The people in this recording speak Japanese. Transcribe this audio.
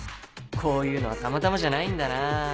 こういうのはたまたまじゃないんだな。